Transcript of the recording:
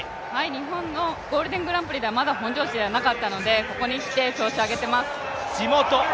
日本のゴールデングランプリではまだ本調子ではなかったのでここに来て調子を上げています。